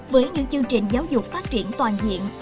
với những chương trình giáo dục phát triển toàn diện